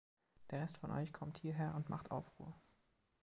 Der Rest von euch kommt hierher und macht Aufruhr!